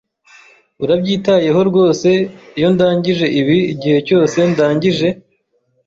Urabyitayeho rwose iyo ndangije ibi igihe cyose ndangije?